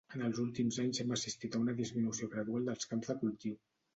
En els últims anys hem assistit a una disminució gradual dels camps de cultiu.